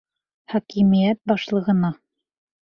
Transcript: Хакимиәт башлығына!